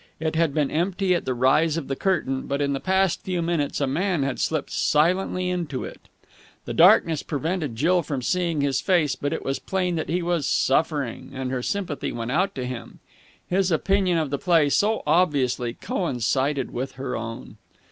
It had been empty at the rise of the curtain, but in the past few minutes a man had slipped silently into it. The darkness prevented Jill from seeing his face, but it was plain that he was suffering, and her sympathy went out to him. His opinion of the play so obviously coincided with her own.